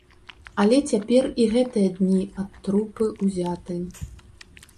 Але цяпер і гэтыя дні ад трупы ўзяты.